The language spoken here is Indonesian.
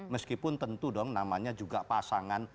meskipun tentu dong namanya juga pasangan